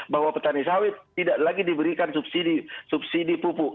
bahwa petani sawit tidak lagi diberikan subsidi pupuk